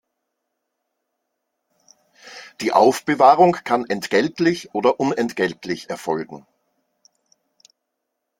Die Aufbewahrung kann entgeltlich oder unentgeltlich erfolgen.